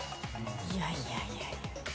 いやいやいやいやいや。